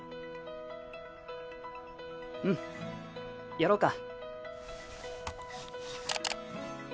うんやろうか。